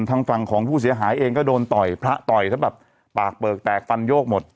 ทางฝั่งของผู้เสียหายเองก็โดนต่อยพระต่อยถ้าแบบปากเปลือกแตกฟันโยกหมด